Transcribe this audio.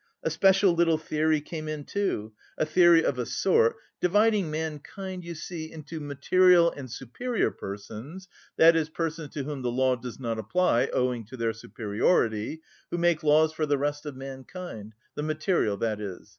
A special little theory came in too a theory of a sort dividing mankind, you see, into material and superior persons, that is persons to whom the law does not apply owing to their superiority, who make laws for the rest of mankind, the material, that is.